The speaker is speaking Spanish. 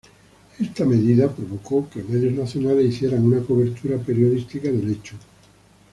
Esta medida provocó que medios nacionales hicieran una cobertura periodística del hecho.